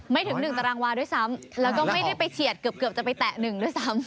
ถึง๑ตารางวาด้วยซ้ำแล้วก็ไม่ได้ไปเฉียดเกือบจะไปแตะ๑ด้วยซ้ำ